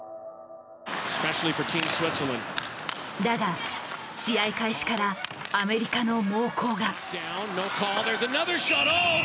だが試合開始からアメリカの猛攻が。